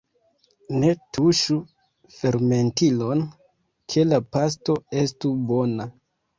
Ne tuŝu fermentilon, ke la pasto estu bona!